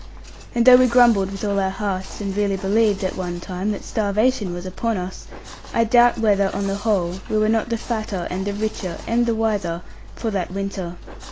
And though we grumbled with all our hearts, and really believed, at one time, that starvation was upon us, I doubt whether, on the whole, we were not the fatter, and the richer, and the wiser for that winter.